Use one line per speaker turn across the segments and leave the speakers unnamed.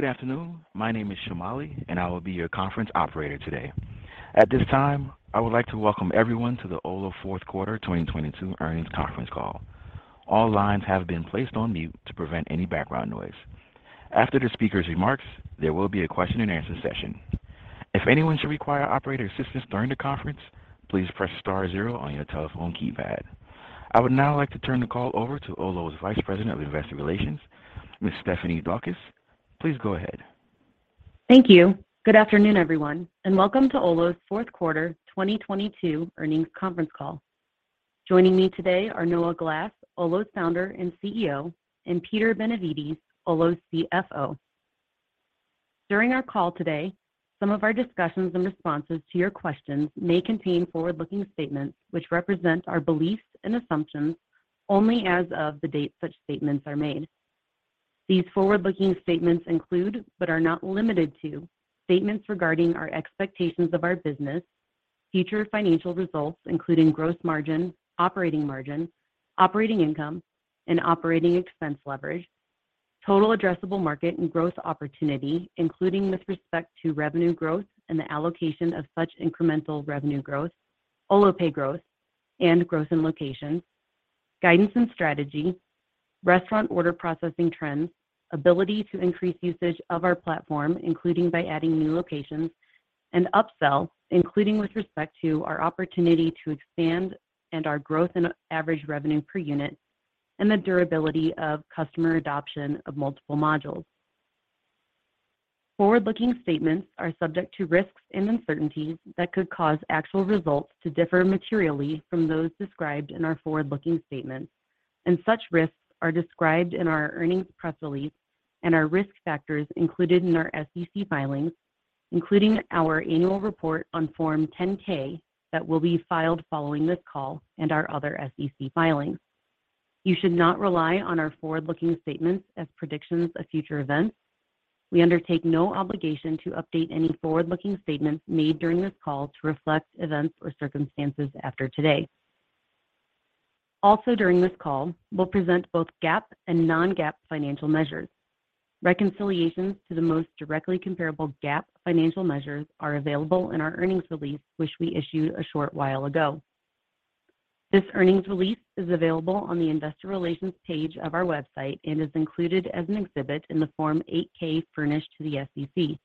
Good afternoon. My name is Shamali. I will be your conference operator today. At this time, I would like to Welcome everyone to the Olo Fourth Quarter 2022 Earnings Conference Call. All lines have been placed on mute to prevent any background noise. After the speaker's remarks, there will be a question and answer session. If anyone should require operator assistance during the conference, please press star zero on your telephone keypad. I would now like to turn the call over to Olo's Vice President of Investor Relations, Ms. Stephanie Daukus. Please go ahead.
Thank you. Good afternoon, everyone, and Welcome to Olo's Fourth Quarter 2022 Earnings Conference Fall. Joining me today are Noah Glass, Olo's Founder and CEO, and Peter Benevides, Olo's CFO. During our call today, some of our discussions and responses to your questions may contain forward-looking statements which represent our beliefs and assumptions only as of the date such statements are made. These forward-looking statements include, but are not limited to, statements regarding our expectations of our business, future financial results, including gross margin, operating margin, operating income, and operating expense leverage, total addressable market and growth opportunity, including with respect to revenue growth and the allocation of such incremental revenue growth, Olo Pay growth and growth in locations, guidance and strategy, restaurant order processing trends, ability to increase usage of our platform, including by adding new locations and upsell, including with respect to our opportunity to expand and our growth in average revenue per unit and the durability of customer adoption of multiple modules. Forward-looking statements are subject to risks and uncertainties that could cause actual results to differ materially from those described in our forward-looking statements. Such risks are described in our earnings press release and our risk factors included in our SEC filings, including our annual report on Form 10-K that will be filed following this call and our other SEC filings. You should not rely on our forward-looking statements as predictions of future events. We undertake no obligation to update any forward-looking statements made during this call to reflect events or circumstances after today. Also during this call, we'll present both GAAP and non-GAAP financial measures. Reconciliations to the most directly comparable GAAP financial measures are available in our earnings release, which we issued a short while ago. This earnings release is available on the investor relations page of our website and is included as an exhibit in the Form 8-K furnished to the SEC.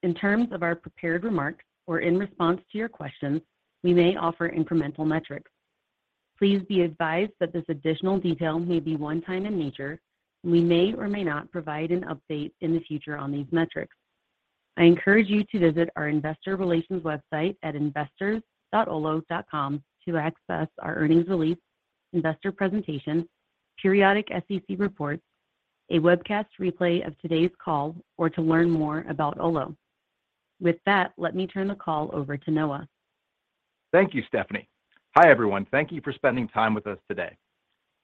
In terms of our prepared remarks or in response to your questions, we may offer incremental metrics. Please be advised that this additional detail may be one-time in nature. We may or may not provide an update in the future on these metrics. I encourage you to visit our investor relations website at investors.olo.com to access our earnings release, investor presentation, periodic SEC reports, a webcast replay of today's call, or to learn more about Olo. With that, let me turn the call over to Noah.
Thank you, Stephanie. Hi, everyone. Thank you for spending time with us today.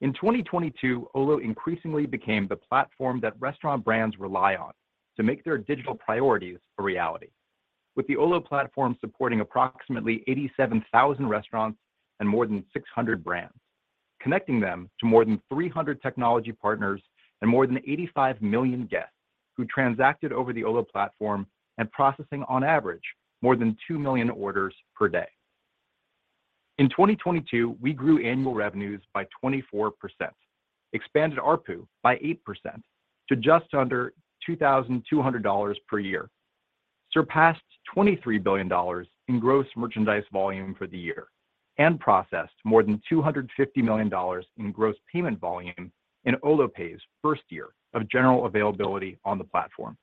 In 2022, Olo increasingly became the platform that restaurant brands rely on to make their digital priorities a reality. With the Olo platform supporting approximately 87,000 restaurants and more than 600 brands, connecting them to more than 300 technology partners and more than 85 million guests who transacted over the Olo platform and processing on average more than 2 million orders per day. In 2022, we grew annual revenues by 24%, expanded ARPU by 8% to just under $2,200 per year, surpassed $23 billion in gross merchandise volume for the year, and processed more than $250 million in gross payment volume in Olo Pay's 1st year of general availability on the platform.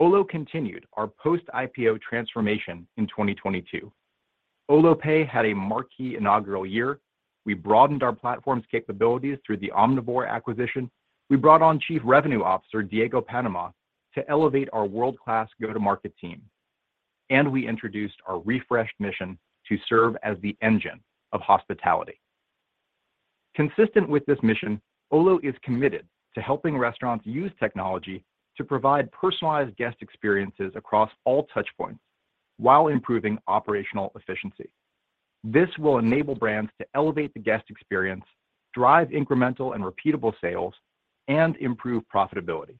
Olo continued our post-IPO transformation in 2022. Olo Pay had a marquee inaugural year. We broadened our platform's capabilities through the Omnivore acquisition. We brought on Chief Revenue Officer Diego Panama to elevate our world-class go-to-market team. We introduced our refreshed mission to serve as the engine of hospitality. Consistent with this mission, Olo is committed to helping restaurants use technology to provide personalized guest experiences across all touch points while improving operational efficiency. This will enable brands to elevate the guest experience, drive incremental and repeatable sales, and improve profitability.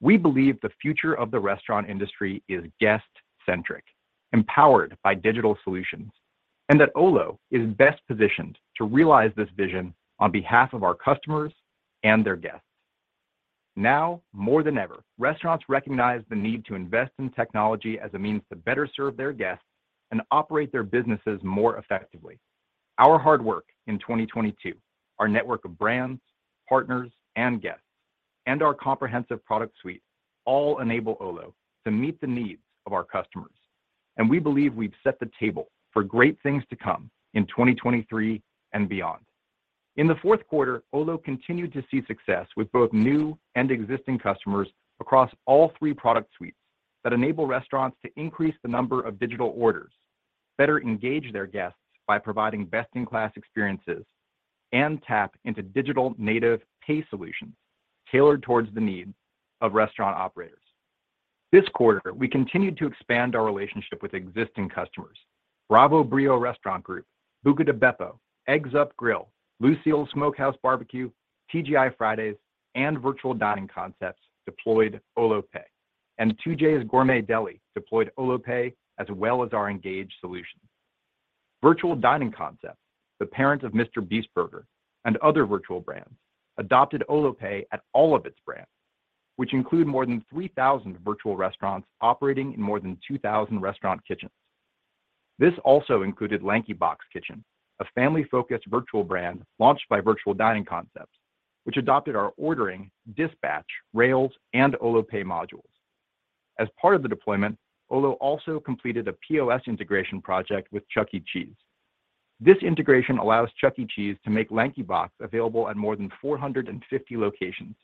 We believe the future of the restaurant industry is guest-centric, empowered by digital solutions, and that Olo is best positioned to realize this vision on behalf of our customers and their guests. Now more than ever, restaurants recognize the need to invest in technology as a means to better serve their guests and operate their businesses more effectively. Our hard work in 2022, our network of brands, partners, and guests, and our comprehensive product suite all enable Olo to meet the needs of our customers. We believe we've set the table for great things to come in 2023 and beyond. In the fourth quarter, Olo continued to see success with both new and existing customers across all three product suites that enable restaurants to increase the number of digital orders, better engage their guests by providing best-in-class experiences, and tap into digital native pay solutions tailored towards the needs of restaurant operators. This quarter, we continued to expand our relationship with existing customers Bravo Brio Restaurant Group, Buca di Beppo, Eggs Up Grill, Lucille's Smokehouse Bar-B-Que, TGI Fridays, and Virtual Dining Concepts deployed Olo Pay and TJ's Deli & Grill deployed Olo Pay, as well as our Olo Engage solution. Virtual Dining Concepts, the parent of MrBeast Burger and other virtual brands, adopted Olo Pay at all of its brands, which include more than 3,000 virtual restaurants operating in more than 2,000 restaurant kitchens. This also included LankyBox Kitchen, a family-focused virtual brand launched by Virtual Dining Concepts, which adopted our ordering, Dispatch, Rails, and Olo Pay modules. As part of the deployment, Olo also completed a POS integration project with Chuck E. Cheese. This integration allows Chuck E. Cheese to make LankyBox available at more than 450 locations,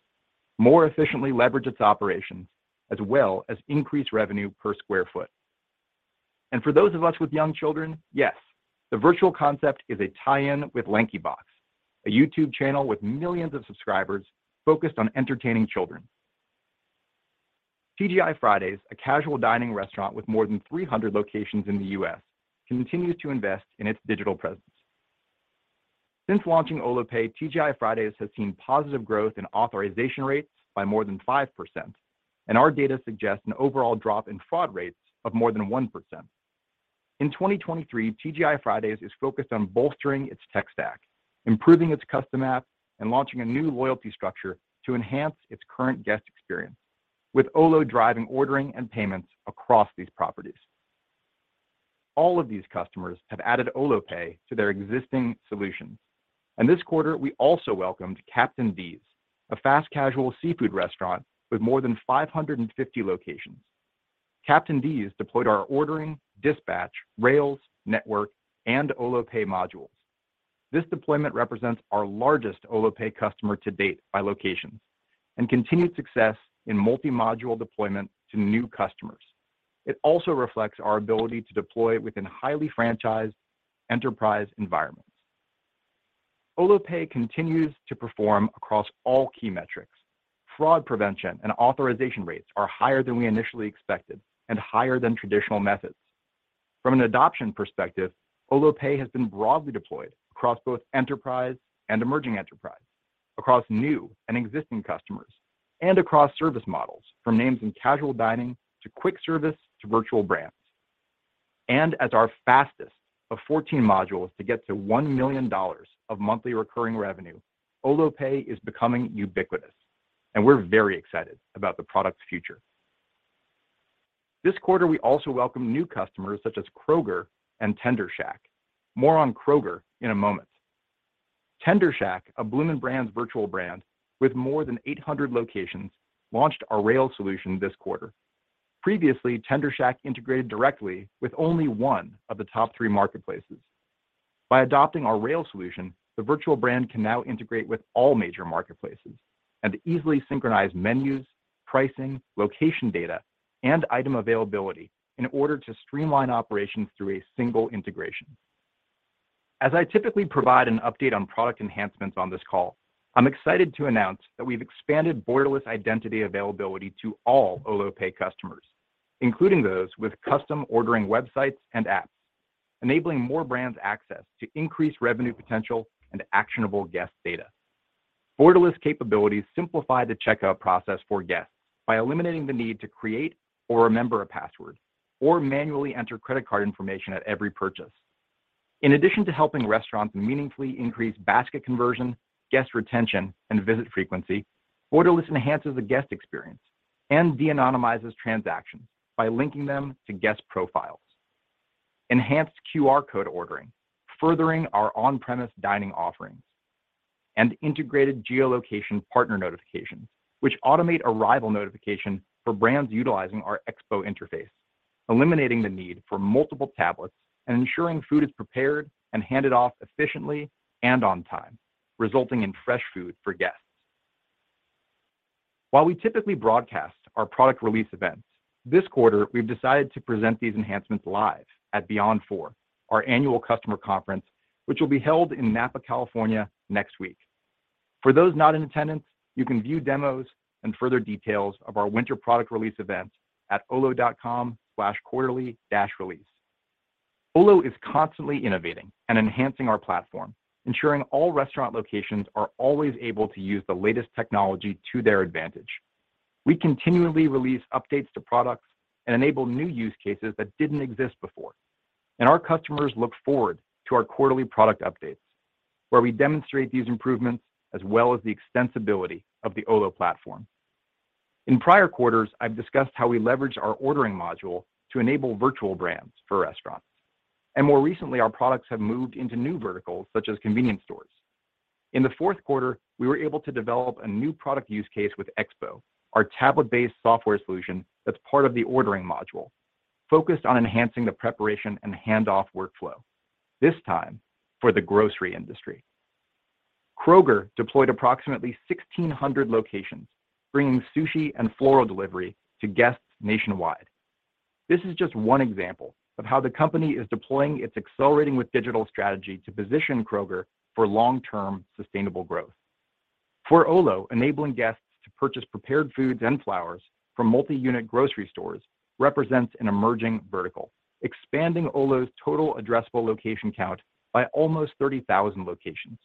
more efficiently leverage its operations, as well as increase revenue per square foot. For those of us with young children, yes, the virtual concept is a tie-in with LankyBox, a YouTube channel with millions of subscribers focused on entertaining children. TGI Fridays, a casual dining restaurant with more than 300 locations in the U.S., continues to invest in its digital presence. Since launching Olo Pay, TGI Fridays has seen positive growth in authorization rates by more than 5%, and our data suggests an overall drop in fraud rates of more than 1%. In 2023, TGI Fridays is focused on bolstering its tech stack, improving its custom app, and launching a new loyalty structure to enhance its current guest experience. With Olo driving ordering and payments across these properties. All of these customers have added Olo Pay to their existing solutions. This quarter, we also welcomed Captain D's, a fast casual seafood restaurant with more than 550 locations. Captain D's deployed our ordering, Dispatch, Rails, Network, and Olo Pay modules. This deployment represents our largest Olo Pay customer to date by locations and continued success in multi-module deployment to new customers. It also reflects our ability to deploy within highly franchised enterprise environments. Olo Pay continues to perform across all key metrics. Fraud prevention and authorization rates are higher than we initially expected and higher than traditional methods. From an adoption perspective, Olo Pay has been broadly deployed across both enterprise and emerging enterprise, across new and existing customers, and across service models from names in casual dining to quick service to virtual brands. As our fastest of 14 modules to get to $1 million of monthly recurring revenue, Olo Pay is becoming ubiquitous, and we're very excited about the product's future. This quarter, we also welcome new customers such as Kroger and Tender Shack. More on Kroger in a moment. Tender Shack, a Bloomin' Brands virtual brand with more than 800 locations, launched our Rails solution this quarter. Previously, Tender Shack integrated directly with only one of the top three marketplaces. By adopting our Rails solution, the virtual brand can now integrate with all major marketplaces and easily synchronize menus, pricing, location data, and item availability in order to streamline operations through a single integration. As I typically provide an update on product enhancements on this call, I'm excited to announce that we've expanded Borderless identity availability to all Olo Pay customers, including those with custom ordering websites and apps, enabling more brands access to increased revenue potential and actionable guest data. Borderless capabilities simplify the checkout process for guests by eliminating the need to create or remember a password or manually enter credit card information at every purchase. In addition to helping restaurants meaningfully increase basket conversion, guest retention, and visit frequency, Borderless enhances the guest experience and de-anonymizes transactions by linking them to guest profiles. Enhanced QR code ordering, furthering our on-premise dining offerings and integrated geolocation partner notifications, which automate arrival notification for brands utilizing our Expo interface, eliminating the need for multiple tablets and ensuring food is prepared and handed off efficiently and on time, resulting in fresh food for guests. While we typically broadcast our product release events, this quarter, we've decided to present these enhancements live at Beyond4, our annual customer conference, which will be held in Napa, California, next week. For those not in attendance, you can view demos and further details of our winter product release event at Olo.com/quarterly-release. Olo is constantly innovating and enhancing our platform, ensuring all restaurant locations are always able to use the latest technology to their advantage. We continually release updates to products and enable new use cases that didn't exist before. Our customers look forward to our quarterly product updates where we demonstrate these improvements as well as the extensibility of the Olo platform. In prior quarters, I've discussed how we leverage our ordering module to enable virtual brands for restaurants. More recently, our products have moved into new verticals such as convenience stores. In the fourth quarter, we were able to develop a new product use case with Expo, our tablet-based software solution that's part of the ordering module, focused on enhancing the preparation and handoff workflow, this time for the grocery industry. Kroger deployed approximately 1,600 locations, bringing sushi and floral delivery to guests nationwide. This is just one example of how the company is deploying its accelerating with digital strategy to position Kroger for long-term sustainable growth. For Olo, enabling guests to purchase prepared foods and flowers from multi-unit grocery stores represents an emerging vertical, expanding Olo's total addressable location count by almost 30,000 locations,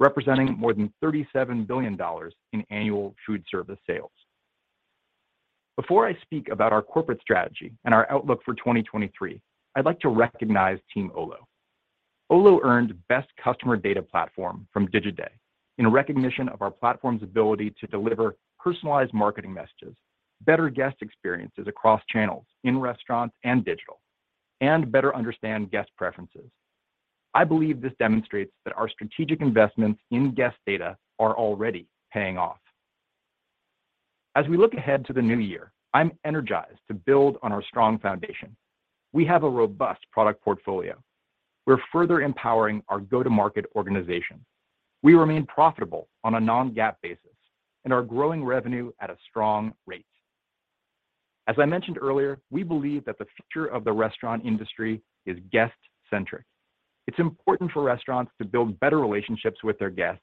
representing more than $37 billion in annual food service sales. Before I speak about our corporate strategy and our outlook for 2023, I'd like to recognize Team Olo. Olo earned Best Customer Data Platform from Digiday in recognition of our platform's ability to deliver personalized marketing messages, better guest experiences across channels, in restaurants and digital, and better understand guest preferences. I believe this demonstrates that our strategic investments in guest data are already paying off. As we look ahead to the new year, I'm energized to build on our strong foundation. We have a robust product portfolio. We're further empowering our go-to-market organization. We remain profitable on a non-GAAP basis and are growing revenue at a strong rate. As I mentioned earlier, we believe that the future of the restaurant industry is guest-centric. It's important for restaurants to build better relationships with their guests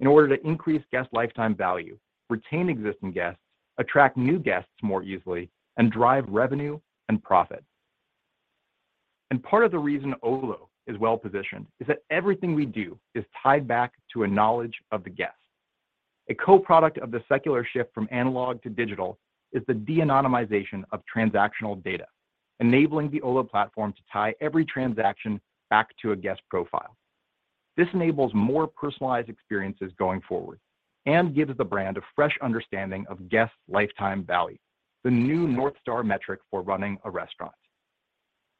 in order to increase guest lifetime value, retain existing guests, attract new guests more easily, and drive revenue and profit. Part of the reason Olo is well-positioned is that everything we do is tied back to a knowledge of the guest. A co-product of the secular shift from analog to digital is the de-anonymization of transactional data, enabling the Olo platform to tie every transaction back to a guest profile. This enables more personalized experiences going forward and gives the brand a fresh understanding of guests' lifetime value, the new North Star metric for running a restaurant.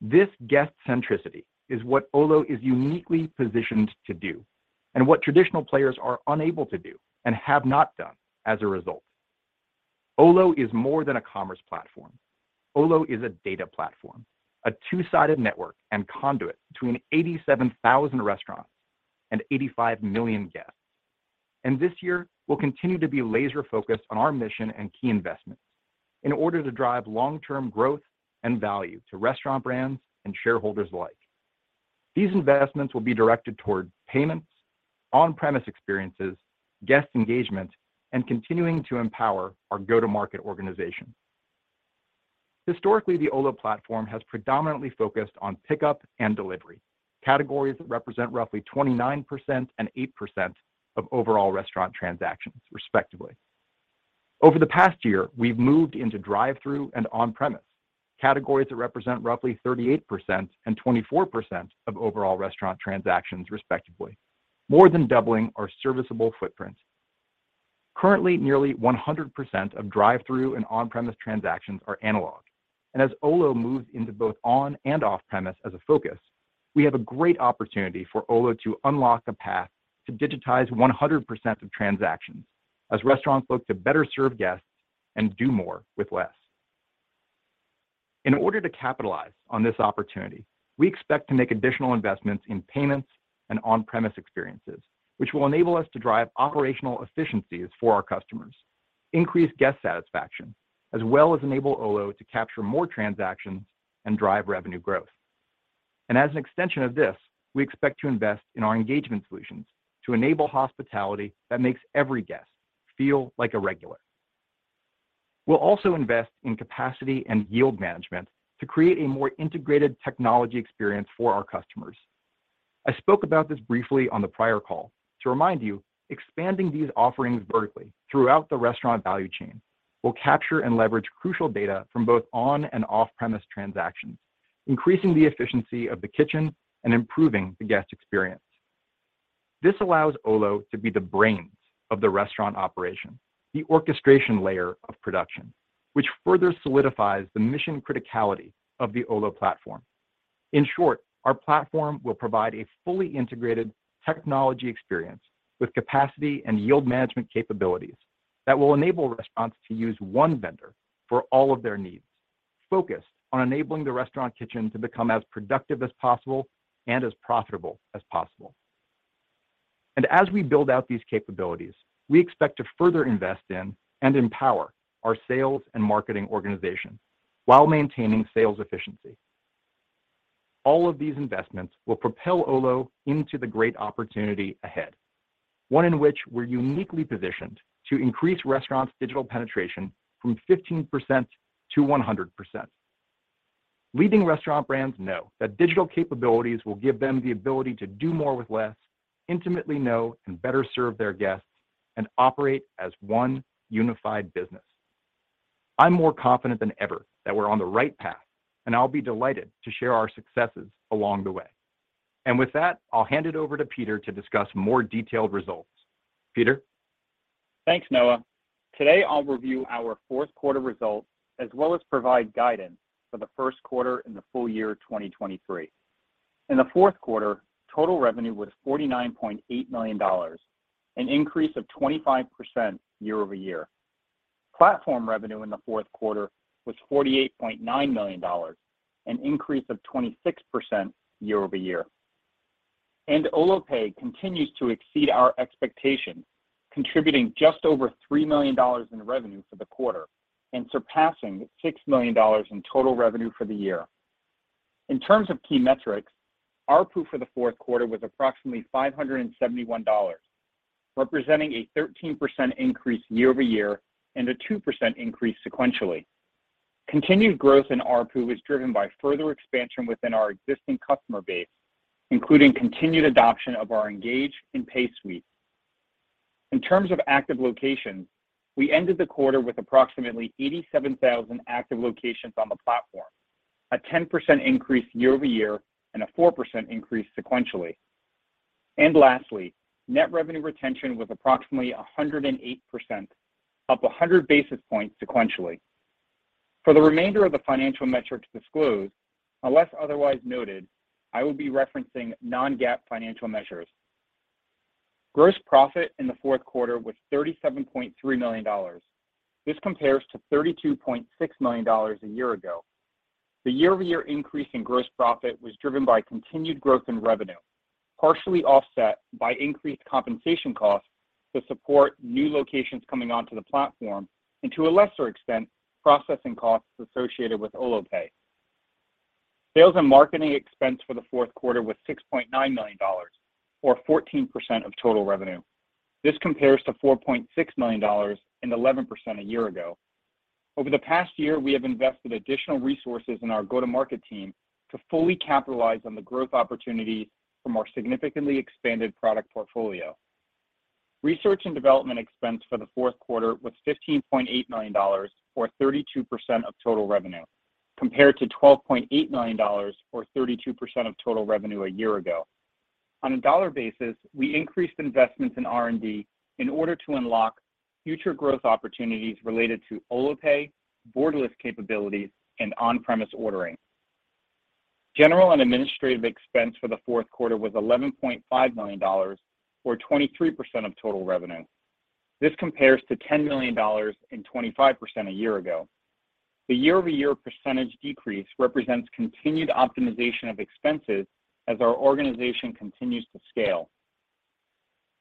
This guest centricity is what Olo is uniquely positioned to do and what traditional players are unable to do and have not done as a result. Olo is more than a commerce platform. Olo is a data platform, a two-sided network and conduit between 87,000 restaurants and 85 million guests. This year we'll continue to be laser focused on our mission and key investments in order to drive long-term growth and value to restaurant brands and shareholders alike. These investments will be directed toward payments, on-premise experiences, guest engagement, and continuing to empower our go-to-market organization. Historically, the Olo platform has predominantly focused on pickup and delivery, categories that represent roughly 29% and 8% of overall restaurant transactions, respectively. Over the past year, we've moved into drive-through and on-premise, categories that represent roughly 38% and 24% of overall restaurant transactions, respectively, more than doubling our serviceable footprint. Currently, nearly 100% of drive-through and on-premise transactions are analog. As Olo moves into both on and off-premise as a focus, we have a great opportunity for Olo to unlock a path to digitize 100% of transactions as restaurants look to better serve guests and do more with less. In order to capitalize on this opportunity, we expect to make additional investments in payments and on-premise experiences, which will enable us to drive operational efficiencies for our customers, increase guest satisfaction, as well as enable Olo to capture more transactions and drive revenue growth. As an extension of this, we expect to invest in our engagement solutions to enable hospitality that makes every guest feel like a regular. We'll also invest in capacity and yield management to create a more integrated technology experience for our customers. I spoke about this briefly on the prior call. To remind you, expanding these offerings vertically throughout the restaurant value chain will capture and leverage crucial data from both on and off-premise transactions, increasing the efficiency of the kitchen and improving the guest experience. This allows Olo to be the brains of the restaurant operation, the orchestration layer of production, which further solidifies the mission criticality of the Olo platform. In short, our platform will provide a fully integrated technology experience with capacity and yield management capabilities that will enable restaurants to use one vendor for all of their needs, focused on enabling the restaurant kitchen to become as productive as possible and as profitable as possible. As we build out these capabilities, we expect to further invest in and empower our sales and marketing organization while maintaining sales efficiency. All of these investments will propel Olo into the great opportunity ahead, one in which we're uniquely positioned to increase restaurants' digital penetration from 15% to 100%. Leading restaurant brands know that digital capabilities will give them the ability to do more with less, intimately know and better serve their guests, and operate as one unified business. I'm more confident than ever that we're on the right path, and I'll be delighted to share our successes along the way. With that, I'll hand it over to Peter to discuss more detailed results. Peter?
Thanks, Noah. Today, I'll review our fourth quarter results as well as provide guidance for the 1st quarter and the full year 2023. In the fourth quarter, total revenue was $49.8 million, an increase of 25% year-over-year. Platform revenue in the fourth quarter was $48.9 million, an increase of 26% year-over-year. Olo Pay continues to exceed our expectations, contributing just over $3 million in revenue for the quarter and surpassing $6 million in total revenue for the year. In terms of key metrics, ARPU for the fourth quarter was approximately $571, representing a 13% increase year-over-year and a 2% increase sequentially. Continued growth in ARPU was driven by further expansion within our existing customer base, including continued adoption of our Engage and Pay suites. In terms of active locations, we ended the quarter with approximately 87,000 active locations on the platform, a 10% increase year-over-year and a 4% increase sequentially. Lastly, net revenue retention was approximately 108%, up 100 basis points sequentially. For the remainder of the financial metrics disclosed, unless otherwise noted, I will be referencing non-GAAP financial measures. Gross profit in the fourth quarter was $37.3 million. This compares to $32.6 million a year ago. The year-over-year increase in gross profit was driven by continued growth in revenue, partially offset by increased compensation costs to support new locations coming onto the platform and, to a lesser extent, processing costs associated with Olo Pay. Sales and marketing expense for the fourth quarter was $6.9 million, or 14% of total revenue. This compares to $4.6 million and 11% a year ago. Over the past year, we have invested additional resources in our go-to-market team to fully capitalize on the growth opportunities from our significantly expanded product portfolio. Research and development expense for the fourth quarter was $15.8 million, or 32% of total revenue, compared to $12.8 million, or 32% of total revenue a year ago. On a dollar basis, we increased investments in R&D in order to unlock future growth opportunities related to Olo Pay, Borderless capabilities, and on-premise ordering. General and administrative expense for the fourth quarter was $11.5 million, or 23% of total revenue. This compares to $10 million and 25% a year ago. The year-over-year percentage decrease represents continued optimization of expenses as our organization continues to scale.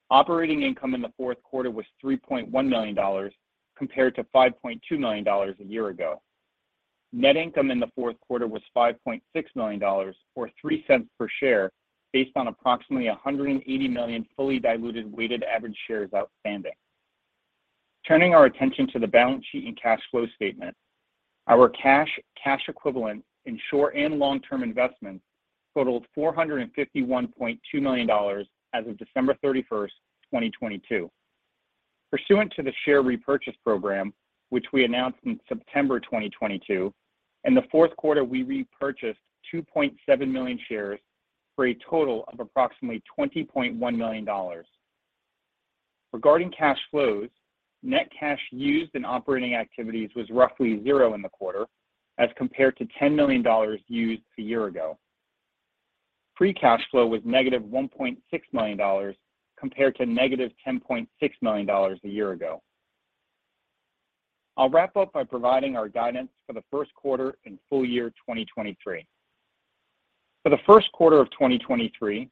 Operating income in the fourth quarter was $3.1 million compared to $5.2 million a year ago. Net income in the fourth quarter was $5.6 million, or $0.03 per share, based on approximately 180 million fully diluted weighted average shares outstanding. Turning our attention to the balance sheet and cash flow statement. Our cash equivalent in short and long-term investments totaled $451.2 million as of December 31st, 2022. Pursuant to the share repurchase program, which we announced in September 2022, in the fourth quarter we repurchased 2.7 million shares for a total of approximately $20.1 million. Regarding cash flows, net cash used in operating activities was roughly zero in the quarter as compared to $10 million used a year ago. Free cash flow was -$1.6 million compared to -$10.6 million a year ago. I'll wrap up by providing our guidance for the 1st quarter and full year 2023. For the 1st quarter of 2023,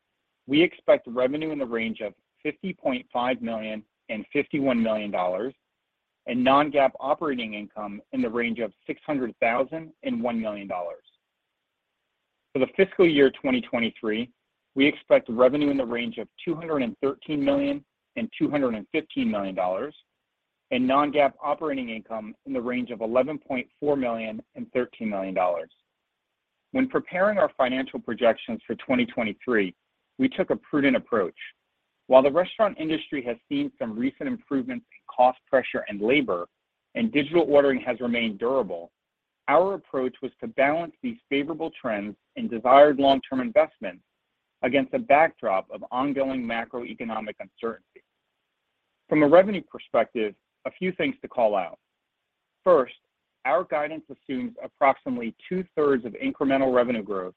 we expect revenue in the range of $50.5 million-$51 million and non-GAAP operating income in the range of $600,000-$1 million. For the fiscal year 2023, we expect revenue in the range of $213 million-$215 million, and non-GAAP operating income in the range of $11.4 million-$13 million. When preparing our financial projections for 2023, we took a prudent approach. While the restaurant industry has seen some recent improvements in cost pressure and labor, and digital ordering has remained durable, our approach was to balance these favorable trends and desired long-term investments against a backdrop of ongoing macroeconomic uncertainty. From a revenue perspective, a few things to call out. First, our guidance assumes approximately 2/3 of incremental revenue growth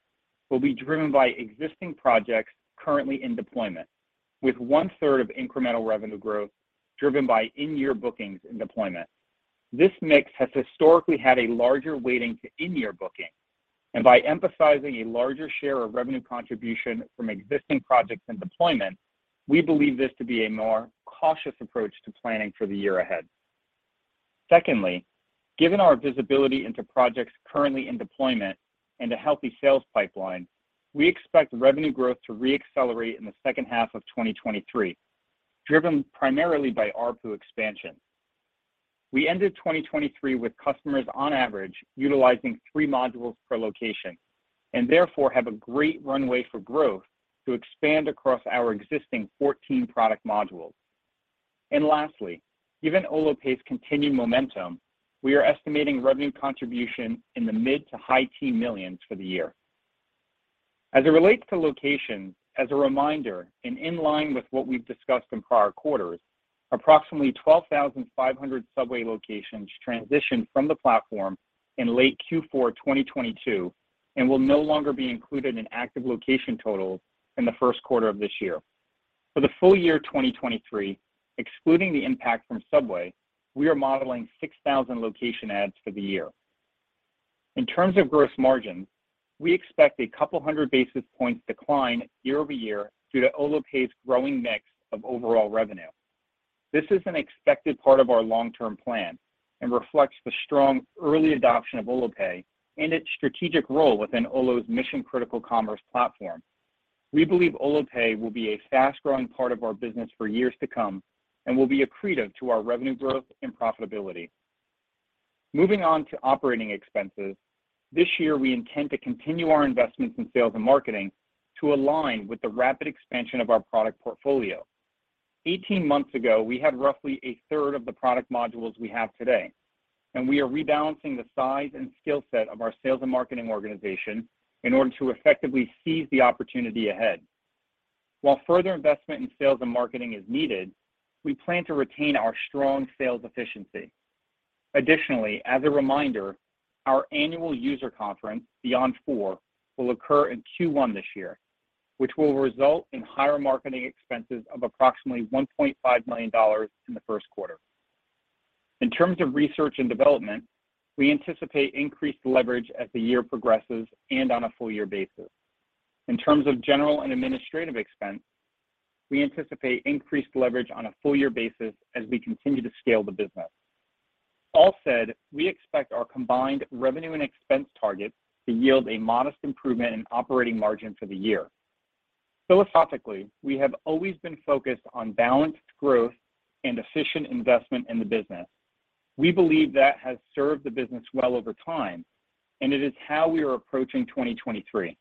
will be driven by existing projects currently in deployment, with 1/3 of incremental revenue growth driven by in-year bookings and deployment. This mix has historically had a larger weighting to in-year bookings, and by emphasizing a larger share of revenue contribution from existing projects and deployment, we believe this to be a more cautious approach to planning for the year ahead. Secondly, given our visibility into projects currently in deployment and a healthy sales pipeline, we expect revenue growth to re-accelerate in the second half of 2023, driven primarily by ARPU expansion. We ended 2023 with customers on average utilizing three modules per location and therefore have a great runway for growth to expand across our existing 14 product modules. Lastly, given Olo Pay's continued momentum, we are estimating revenue contribution in the mid to high teen millions for the year. As it relates to locations, as a reminder, and in line with what we've discussed in prior quarters, approximately 12,500 Subway locations transitioned from the platform in late Q4 2022 and will no longer be included in active location totals in the 1st quarter of this year. For the full year 2023, excluding the impact from Subway, we are modeling 6,000 location adds for the year. In terms of gross margin, we expect a couple hundred basis points decline year-over-year due to Olo Pay's growing mix of overall revenue. This is an expected part of our long-term plan and reflects the strong early adoption of Olo Pay and its strategic role within Olo's mission-critical commerce platform. We believe Olo Pay will be a fast-growing part of our business for years to come and will be accretive to our revenue growth and profitability. Moving on to operating expenses, this year we intend to continue our investments in sales and marketing to align with the rapid expansion of our product portfolio. 18 months ago, we had roughly a third of the product modules we have today, and we are rebalancing the size and skill set of our sales and marketing organization in order to effectively seize the opportunity ahead. While further investment in sales and marketing is needed, we plan to retain our strong sales efficiency. Additionally, as a reminder, our annual user conference, Beyond4, will occur in Q1 this year, which will result in higher marketing expenses of approximately $1.5 million in the 1st quarter. In terms of research and development, we anticipate increased leverage as the year progresses and on a full year basis. In terms of general and administrative expense, we anticipate increased leverage on a full year basis as we continue to scale the business. All said, we expect our combined revenue and expense targets to yield a modest improvement in operating margin for the year. Philosophically, we have always been focused on balanced growth and efficient investment in the business. We believe that has served the business well over time, and it is how we are approaching 2023.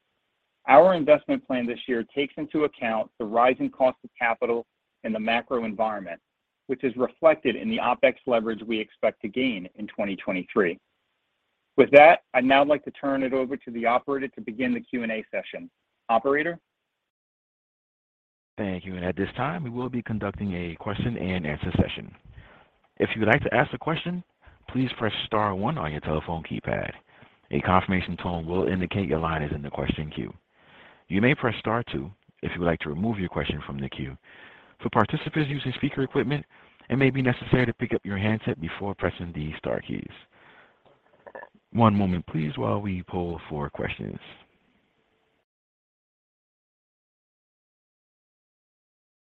Our investment plan this year takes into account the rising cost of capital and the macro environment, which is reflected in the OpEx leverage we expect to gain in 2023. With that, I'd now like to turn it over to the operator to begin the Q&A session. Operator?
Thank you. At this time, we will be conducting a question-and-answer session. If you would like to ask a question, please press star one on your telephone keypad. A confirmation tone will indicate your line is in the question queue. You may press star two if you would like to remove your question from the queue. For participants using speaker equipment, it may be necessary to pick up your handset before pressing the star keys. One moment please while we poll for questions.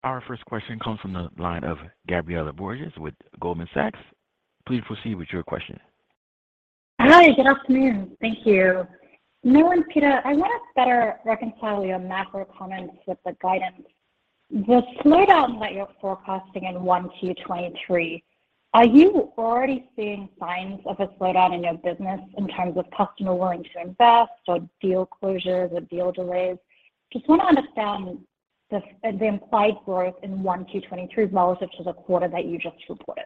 Our 1st question comes from the line of Gabriela Borges with Goldman Sachs. Please proceed with your question.
Hi, good afternoon. Thank you. Noah, Peter, I want to better reconcile your macro comments with the guidance. The slowdown that you're forecasting in 1Q 2023, are you already seeing signs of a slowdown in your business in terms of customer willing to invest or deal closures or deal delays? Just want to understand the implied growth in 1Q 2023 relative to the quarter that you just reported.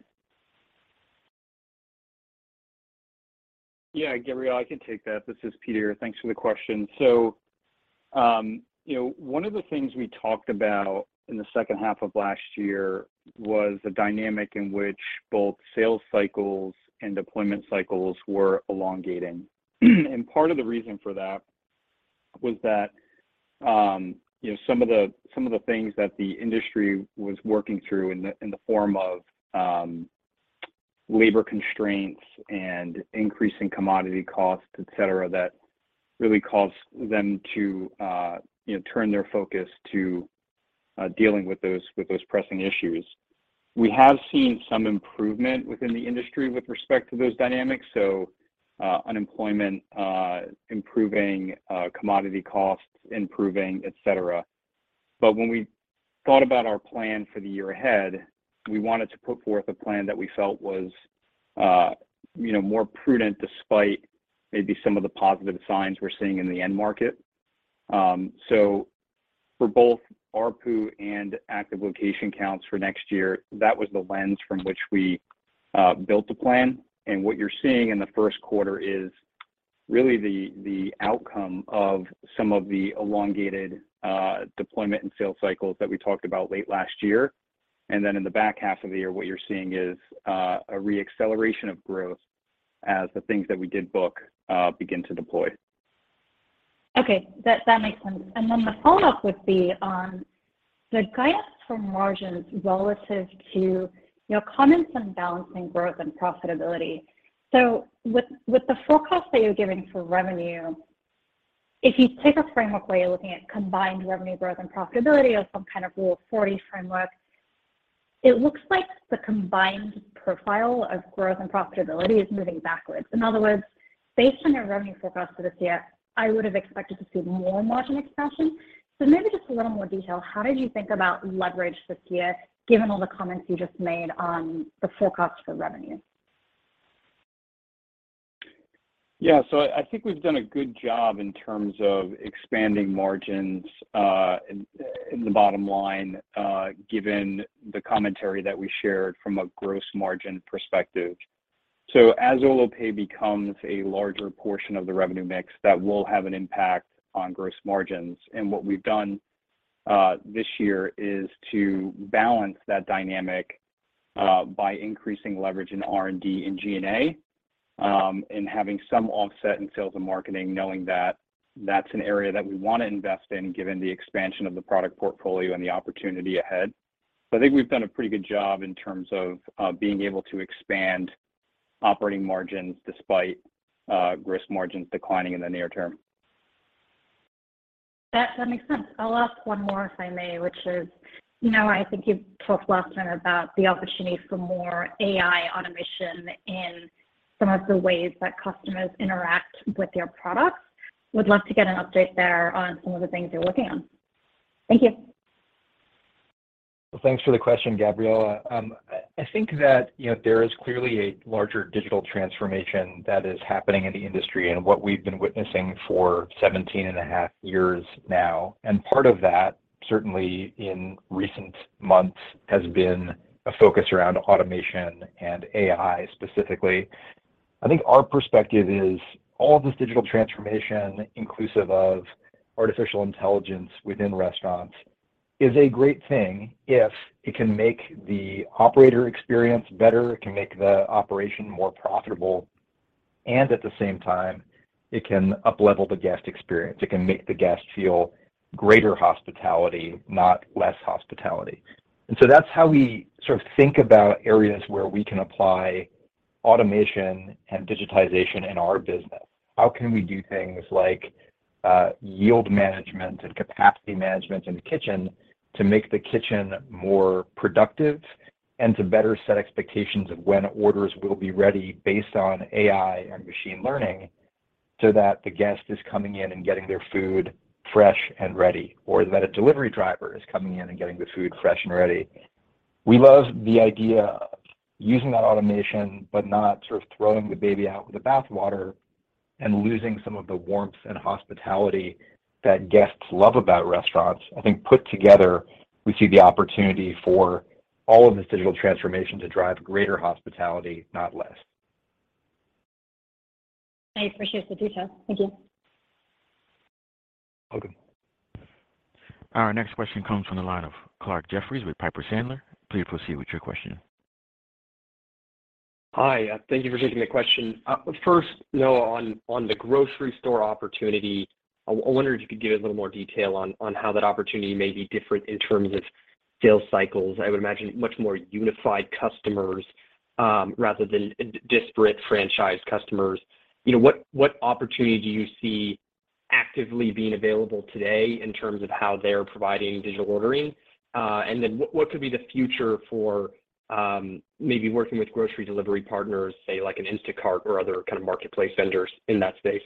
Yeah, Gabriela, I can take that. This is Peter. Thanks for the question. You know, one of the things we talked about in the second half of last year was the dynamic in which both sales cycles and deployment cycles were elongating. Part of the reason for that was that, you know, some of the things that the industry was working through in the form of labor constraints and increasing commodity costs, et cetera, that really caused them to, you know, turn their focus to dealing with those pressing issues. We have seen some improvement within the industry with respect to those dynamics, so, unemployment improving, commodity costs improving, et cetera. When we thought about our plan for the year ahead, we wanted to put forth a plan that we felt was, you know, more prudent despite maybe some of the positive signs we're seeing in the end market. For both ARPU and active location counts for next year, that was the lens from which we built the plan. What you're seeing in the 1st quarter is really the outcome of some of the elongated deployment and sales cycles that we talked about late last year. Then in the back half of the year, what you're seeing is a re-acceleration of growth as the things that we did book begin to deploy.
Okay. That makes sense. The follow-up would be on the guidance for margins relative to your comments on balancing growth and profitability. With the forecast that you're giving for revenue, if you take a framework where you're looking at combined revenue growth and profitability or some kind of rule of 40 framework, it looks like the combined profile of growth and profitability is moving backwards. In other words, based on your revenue forecast for this year, I would have expected to see more margin expansion. Maybe just a little more detail, how did you think about leverage this year given all the comments you just made on the forecast for revenue?
Yeah. I think we've done a good job in terms of expanding margins in the bottom line given the commentary that we shared from a gross margin perspective. As Olo Pay becomes a larger portion of the revenue mix, that will have an impact on gross margins. What we've done this year is to balance that dynamic by increasing leverage in R&D and G&A, and having some offset in sales and marketing, knowing that that's an area that we want to invest in given the expansion of the product portfolio and the opportunity ahead. I think we've done a pretty good job in terms of being able to expand operating margins despite gross margins declining in the near term.
That makes sense. I'll ask one more if I may, which is, you know, I think you've talked last time about the opportunity for more AI automation in some of the ways that customers interact with your products. Would love to get an update there on some of the things you're working on. Thank you.
Thanks for the question, Gabrielle. I think that, you know, there is clearly a larger digital transformation that is happening in the industry and what we've been witnessing for 17 and a half years now, part of that, certainly in recent months, has been a focus around automation and AI specifically. I think our perspective is all this digital transformation, inclusive of artificial intelligence within restaurants, is a great thing if it can make the operator experience better, it can make the operation more profitable, and at the same time, it can uplevel the guest experience. It can make the guest feel greater hospitality, not less hospitality. That's how we sort of think about areas where we can apply automation and digitization in our business. How can we do things like yield management and capacity management in the kitchen to make the kitchen more productive and to better set expectations of when orders will be ready based on AI and machine learning so that the guest is coming in and getting their food fresh and ready, or that a delivery driver is coming in and getting the food fresh and ready. We love the idea of using that automation, but not sort of throwing the baby out with the bathwater and losing some of the warmth and hospitality that guests love about restaurants. I think put together, we see the opportunity for all of this digital transformation to drive greater hospitality, not less.
I appreciate the detail. Thank you.
Welcome.
Our next question comes from the line of Clarke Jeffries with Piper Sandler. Please proceed with your question.
Hi. Thank you for taking the question. First, Noah, on the grocery store opportunity, I wondered if you could give a little more detail on how that opportunity may be different in terms of sales cycles. I would imagine much more unified customers, rather than disparate franchise customers. You know, what opportunity do you see actively being available today in terms of how they're providing digital ordering? Then what could be the future for maybe working with grocery delivery partners, say like an Instacart or other kind of marketplace vendors in that space?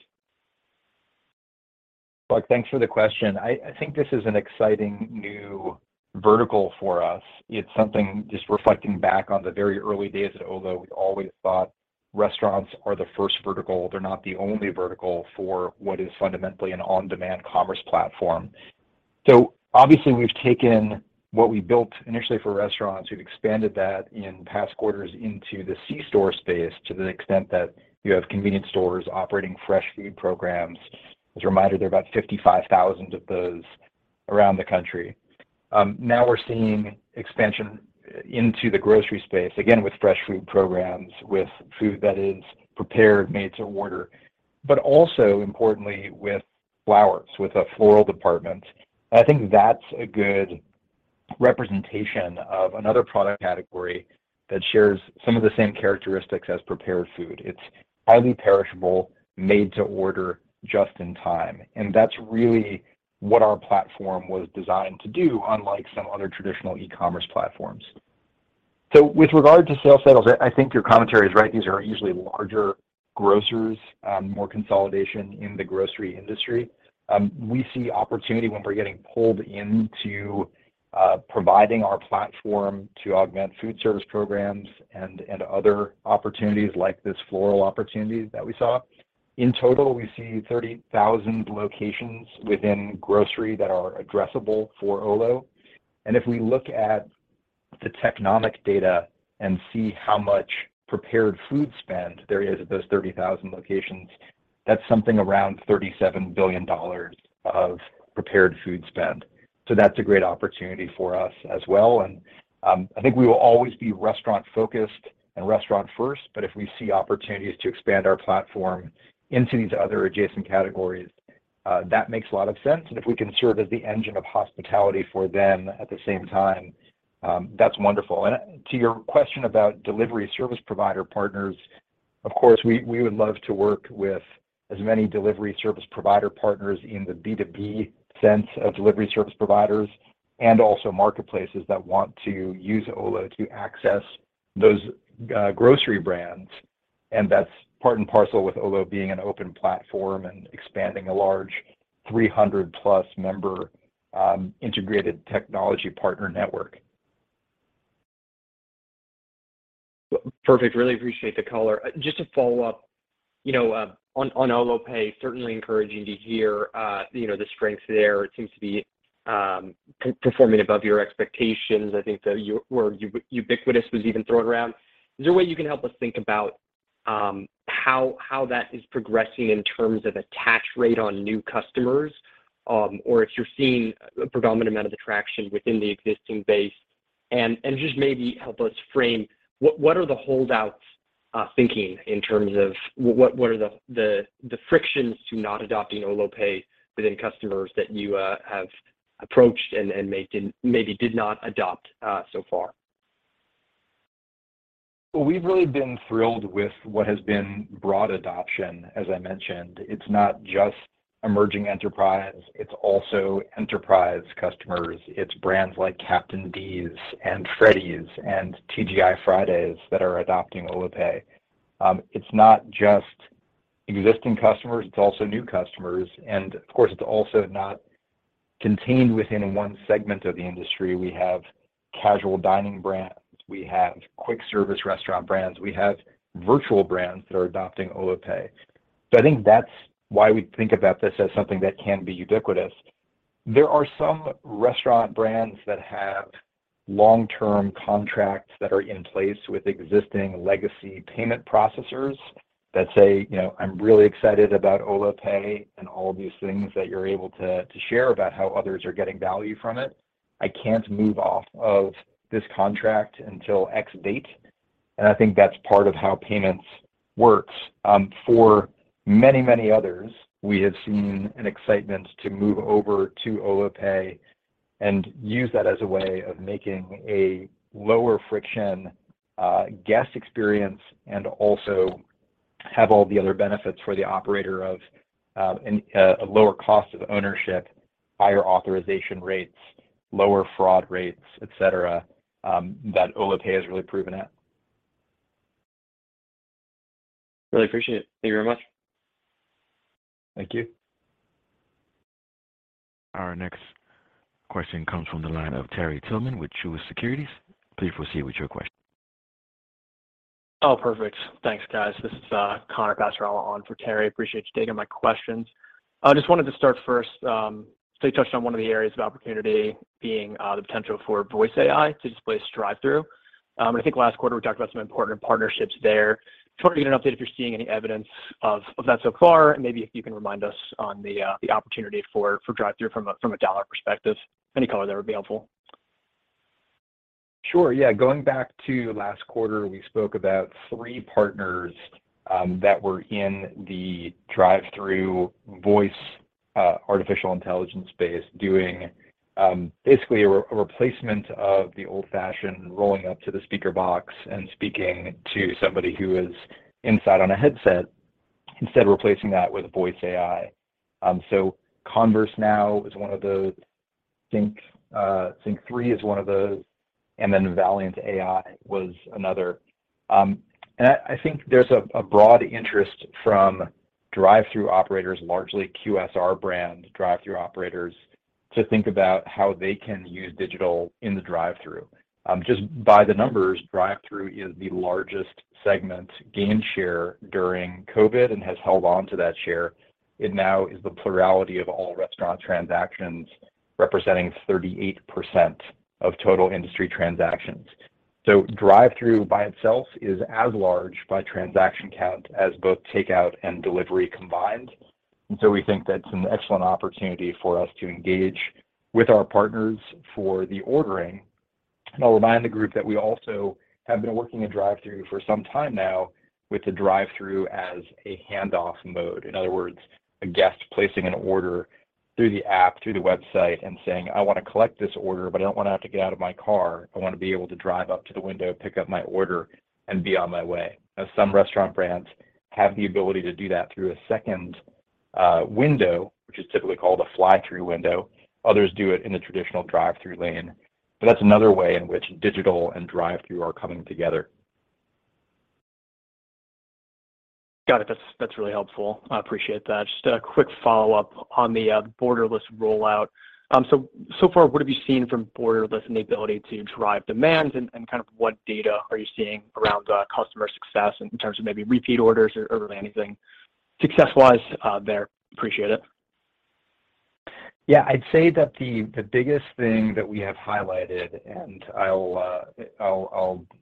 Clarke, thanks for the question. I think this is an exciting new vertical for us. It's something just reflecting back on the very early days at Olo, we always thought restaurants are the 1st vertical, they're not the only vertical for what is fundamentally an on-demand commerce platform. Obviously, we've taken what we built initially for restaurants. We've expanded that in past quarters into the C-store space to the extent that you have convenience stores operating fresh food programs. As a reminder, there are about 55,000 of those around the country. Now we're seeing expansion into the grocery space, again, with fresh food programs, with food that is prepared, made to order, but also importantly with flowers, with a floral department. I think that's a good representation of another product category that shares some of the same characteristics as prepared food. It's highly perishable, made to order just in time, and that's really what our platform was designed to do, unlike some other traditional e-commerce platforms. With regard to sales cycles, I think your commentary is right. These are usually larger grocers, more consolidation in the grocery industry. We see opportunity when we're getting pulled into providing our platform to augment food service programs and other opportunities like this floral opportunity that we saw. In total, we see 30,000 locations within grocery that are addressable for Olo. If we look at the Technomic data and see how much prepared food spend there is at those 30,000 locations, that's something around $37 billion of prepared food spend. That's a great opportunity for us as well, and I think we will always be restaurant-focused and restaurant 1st, but if we see opportunities to expand our platform into these other adjacent categories, that makes a lot of sense. If we can serve as the engine of hospitality for them at the same time, that's wonderful. To your question about delivery service provider partners, of course, we would love to work with as many delivery service provider partners in the B2B sense of delivery service providers and also marketplaces that want to use Olo to access those grocery brands. That's part and parcel with Olo being an open platform and expanding a large 300+ member integrated technology partner network.
Perfect. Really appreciate the color. Just to follow up, on Olo Pay, certainly encouraging to hear the strength there. It seems to be performing above your expectations. I think the word ubiquitous was even thrown around. Is there a way you can help us think about how that is progressing in terms of attach rate on new customers, or if you're seeing a predominant amount of the traction within the existing base? Just maybe help us frame what are the holdouts thinking in terms of what are the frictions to not adopting Olo Pay within customers that you have approached and may did not adopt so far?
Well, we've really been thrilled with what has been broad adoption, as I mentioned. It's not just emerging enterprise, it's also enterprise customers. It's brands like Captain D's and Freddy's and TGI Fridays that are adopting Olo Pay. It's not just existing customers, it's also new customers, and of course, it's also not contained within one segment of the industry. We have casual dining brands, we have quick service restaurant brands, we have virtual brands that are adopting Olo Pay. I think that's why we think about this as something that can be ubiquitous. There are some restaurant brands that have long-term contracts that are in place with existing legacy payment processors that say, you know, "I'm really excited about Olo Pay and all of these things that you're able to share about how others are getting value from it. I can't move off of this contract until X date. I think that's part of how payments works. For many, many others, we have seen an excitement to move over to Olo Pay and use that as a way of making a lower friction, guest experience and also have all the other benefits for the operator of, a lower cost of ownership, higher authorization rates, lower fraud rates, et cetera, that Olo Pay has really proven it.
Really appreciate it. Thank you very much.
Thank you.
Our next question comes from the line of Terry Tillman with Truist Securities. Please proceed with your question.
Oh, perfect. Thanks, guys. This is Connor Passarella on for Terry. Appreciate you taking my questions. I just wanted to start 1st, so you touched on one of the areas of opportunity being the potential for voice AI to displace drive-through. I think last quarter we talked about some important partnerships there. Just want to get an update if you're seeing any evidence of that so far. Maybe if you can remind us on the opportunity for drive-through from a dollar perspective. Any color there would be helpful.
Sure. Yeah. Going back to last quarter, we spoke about three partners that were in the drive-through voice artificial intelligence space doing a replacement of the old-fashioned rolling up to the speaker box and speaking to somebody who is inside on a headset, instead replacing that with voice AI. So ConverseNow is one of those. SYNQ3 is one of those, and then Valyant AI was another. I think there's a broad interest from drive-through operators, largely QSR brand drive-through operators to think about how they can use digital in the drive-through. Just by the numbers, drive-through is the largest segment gain share during COVID and has held onto that share. It now is the plurality of all restaurant transactions, representing 38% of total industry transactions. Drive-through by itself is as large by transaction count as both takeout and delivery combined. We think that's an excellent opportunity for us to engage with our partners for the ordering. I'll remind the group that we also have been working in drive-through for some time now with the drive-through as a handoff mode. In other words, a guest placing an order through the app, through the website and saying, "I want to collect this order, but I don't want to have to get out of my car. I want to be able to drive up to the window, pick up my order and be on my way." Some restaurant brands have the ability to do that through a second window, which is typically called a fly-through window. Others do it in the traditional drive-through lane. That's another way in which digital and drive-through are coming together.
Got it. That's really helpful. I appreciate that. Just a quick follow-up on the Borderless rollout. Far, what have you seen from Borderless and the ability to drive demand and kind of what data are you seeing around customer success in terms of maybe repeat orders or anything success-wise there? Appreciate it.
I'd say that the biggest thing that we have highlighted, and I'll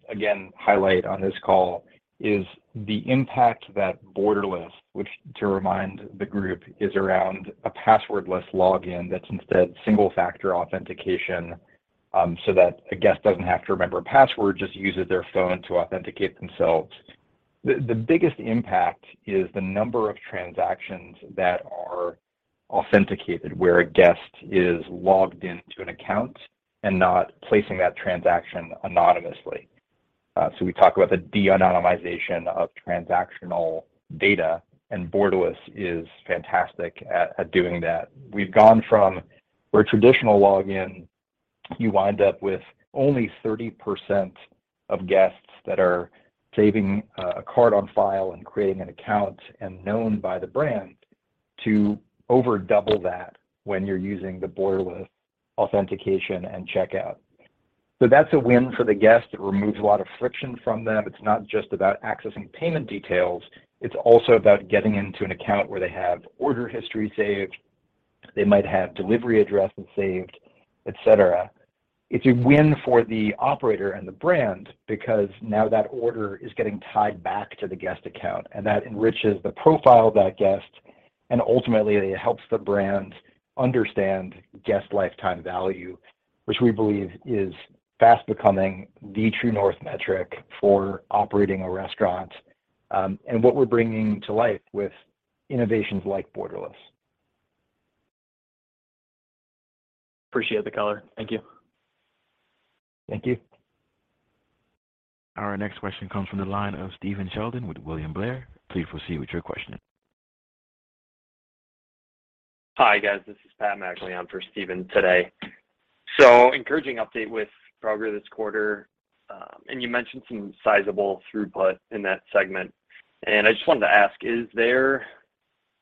again highlight on this call, is the impact that Borderless, which to remind the group is around a password-less login that's instead single factor authentication, so that a guest doesn't have to remember a password, just uses their phone to authenticate themselves. The biggest impact is the number of transactions that are authenticated where a guest is logged into an account and not placing that transaction anonymously. We talk about the de-anonymization of transactional data, and Borderless is fantastic at doing that. We've gone from where traditional login you wind up with only 30% of guests that are saving a card on file and creating an account and known by the brand to over double that when you're using the Borderless authentication and checkout. That's a win for the guest. It removes a lot of friction from them. It's not just about accessing payment details, it's also about getting into an account where they have order history saved. They might have delivery addresses saved, et cetera. It's a win for the operator and the brand because now that order is getting tied back to the guest account, and that enriches the profile of that guest and ultimately it helps the brand understand guest lifetime value, which we believe is fast becoming the true north metric for operating a restaurant, and what we're bringing to life with innovations like Borderless.
Appreciate the color. Thank you.
Thank you.
Our next question comes from the line of Stephen Sheldon with William Blair. Please proceed with your question.
Hi, guys. This is Pat McLeod for Stephen today. Encouraging update with progress this quarter, and you mentioned some sizable throughput in that segment. I just wanted to ask, is there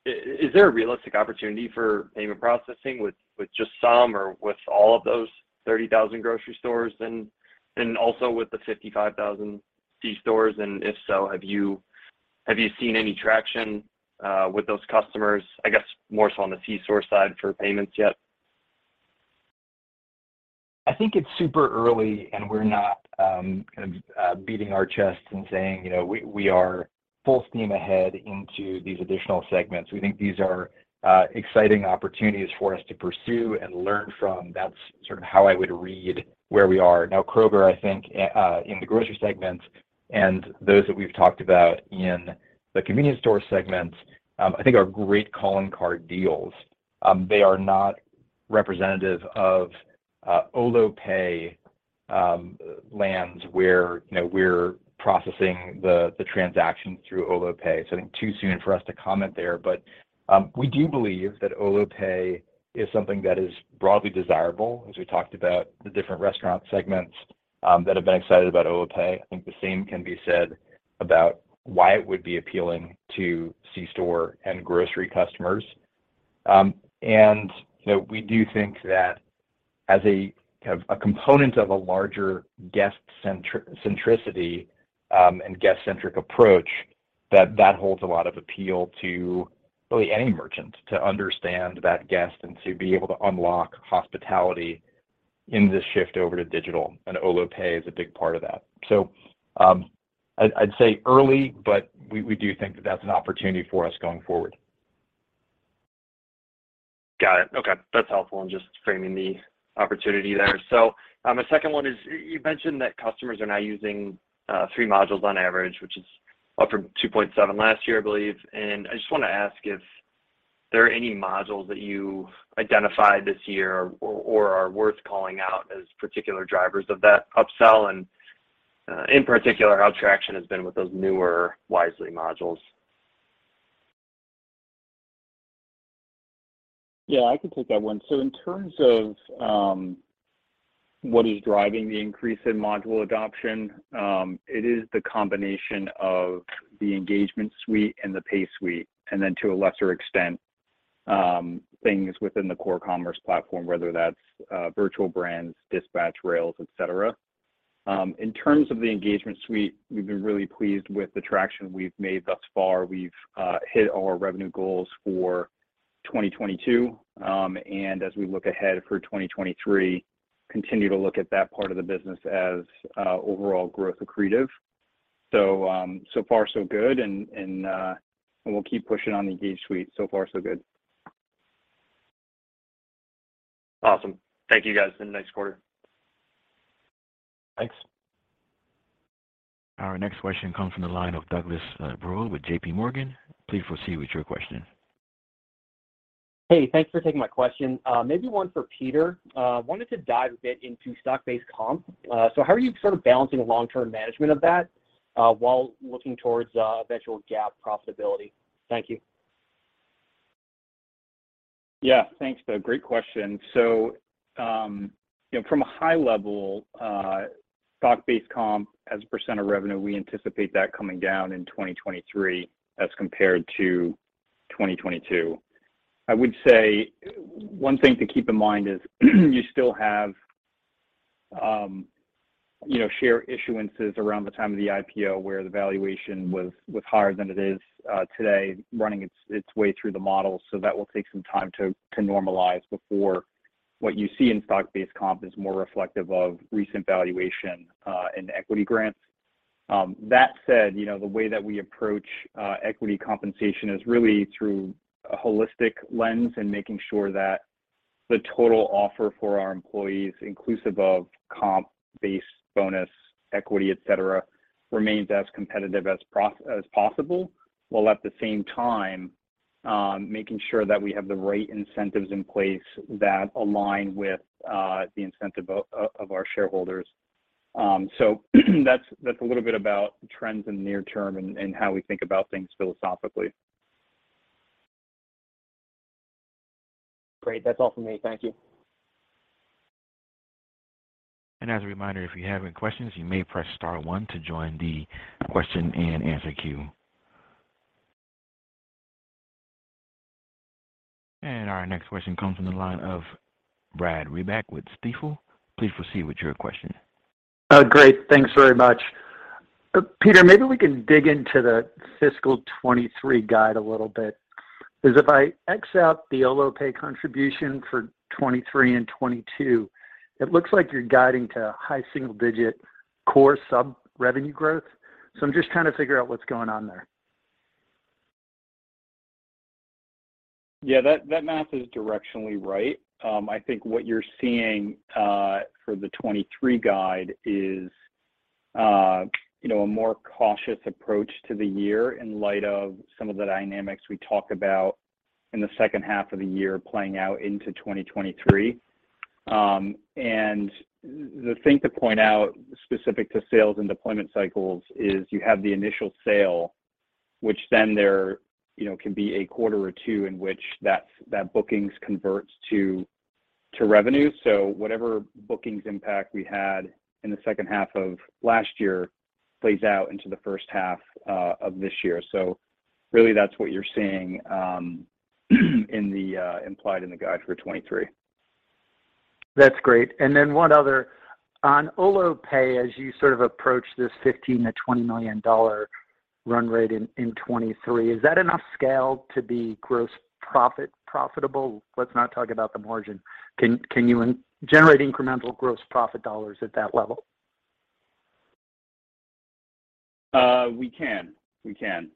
a realistic opportunity for payment processing with just some or with all of those 30,000 grocery stores and also with the 55,000 C-stores? If so, have you seen any traction with those customers, I guess, more so on the C-store side for payments yet?
I think it's super early, and we're not kind of beating our chests and saying, you know, we are full steam ahead into these additional segments. We think these are exciting opportunities for us to pursue and learn from. That's sort of how I would read where we are. Kroger, I think, in the grocery segments and those that we've talked about in the convenience store segments, I think are great calling card deals. They are not representative of Olo Pay lands where, you know, we're processing the transactions through Olo Pay. I think too soon for us to comment there. We do believe that Olo Pay is something that is broadly desirable, as we talked about the different restaurant segments that have been excited about Olo Pay. I think the same can be said about why it would be appealing to C-store and grocery customers. You know, we do think that as a kind of a component of a larger guest centricity, and guest-centric approach, that that holds a lot of appeal to really any merchant to understand that guest and to be able to unlock hospitality in this shift over to digital, and Olo Pay is a big part of that. I'd say early, but we do think that that's an opportunity for us going forward.
Got it. Okay. That's helpful in just framing the opportunity there. A second one is you mentioned that customers are now using three modules on average, which is up from 2.7 last year, I believe. I just wanna ask if there are any modules that you identified this year or are worth calling out as particular drivers of that upsell, and in particular, how traction has been with those newer Wisely modules.
Yeah, I can take that one. In terms of what is driving the increase in module adoption, it is the combination of the Olo Engage and the Olo Pay, and then to a lesser extent, things within the core commerce platform, whether that's virtual brands, Dispatch, Rails, et cetera. In terms of the Olo Engage, we've been really pleased with the traction we've made thus far. We've hit our revenue goals for 2022, and as we look ahead for 2023, continue to look at that part of the business as overall growth accretive. So far so good, and we'll keep pushing on the Olo Engage. So far so good.
Awesome. Thank you, guys, and nice quarter.
Thanks.
Our next question comes from the line of Doug Bruehl with J.P. Morgan. Please proceed with your question.
Hey, thanks for taking my question. Maybe one for Peter. Wanted to dive a bit into stock-based comp. How are you sort of balancing long-term management of that, while looking towards eventual GAAP profitability? Thank you.
Thanks, Doug. Great question. you know, from a high level, stock-based comp as a % of revenue, we anticipate that coming down in 2023 as compared to 2022. I would say one thing to keep in mind is you still have, you know, share issuances around the time of the IPO where the valuation was higher than it is today running its way through the model. That will take some time to normalize before what you see in stock-based comp is more reflective of recent valuation and equity grants. That said, you know, the way that we approach equity compensation is really through a holistic lens and making sure that the total offer for our employees, inclusive of comp, base, bonus, equity, et cetera, remains as competitive as possible, while at the same time, making sure that we have the right incentives in place that align with the incentive of our shareholders. That's a little bit about trends in the near term and how we think about things philosophically.
Great. That's all from me. Thank you.
As a reminder, if you have any questions, you may press star one to join the question and answer queue. Our next question comes from the line of Brad Reback with Stifel. Please proceed with your question.
Great. Thanks very much. Peter, maybe we can dig into the fiscal 2023 guide a little bit, 'cause if I X out the Olo Pay contribution for 2023 and 2022, it looks like you're guiding to high single digit core sub-revenue growth. I'm just trying to figure out what's going on there.
Yeah, that math is directionally right. I think what you're seeing, for the 2023 guide is, you know, a more cautious approach to the year in light of some of the dynamics we talk about in the second half of the year playing out into 2023. And the thing to point out specific to sales and deployment cycles is you have the initial sale, which then there, you know, can be a quarter or two in which that bookings converts to revenue. Whatever bookings impact we had in the second half of last year plays out into the 1st half of this year. Really that's what you're seeing, in the implied in the guide for 2023.
That's great. One other. On Olo Pay, as you sort of approach this $15 million-$20 million run rate in 2023, is that enough scale to be gross profit profitable? Let's not talk about the margin. Can you generate incremental gross profit dollars at that level?
We can. We can.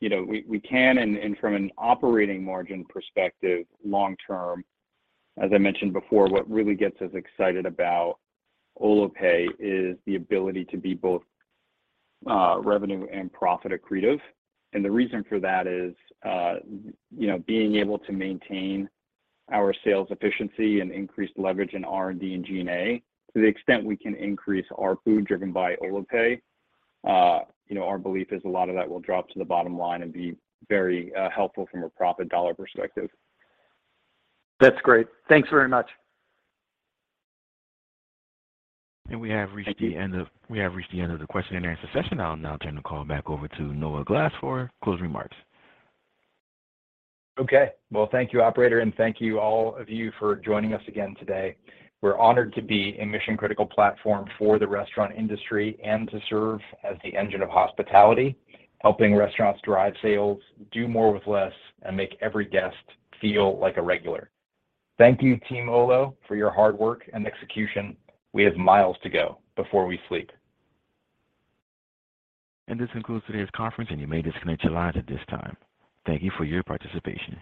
You know, we can and from an operating margin perspective, long term, as I mentioned before, what really gets us excited about Olo Pay is the ability to be both, revenue and profit accretive. The reason for that is, you know, being able to maintain our sales efficiency and increase leverage in R&D and G&A. To the extent we can increase ARPU driven by Olo Pay, you know, our belief is a lot of that will drop to the bottom line and be very, helpful from a profit dollar perspective.
That's great. Thanks very much.
We have reached the end of the question and answer session. I'll now turn the call back over to Noah Glass for closing remarks.
Okay. Well, thank you operator. Thank you all of you for joining us again today. We're honored to be a mission-critical platform for the restaurant industry and to serve as the engine of hospitality, helping restaurants drive sales, do more with less, and make every guest feel like a regular. Thank you, team Olo, for your hard work and execution. We have miles to go before we sleep.
This concludes today's conference, and you may disconnect your lines at this time. Thank you for your participation.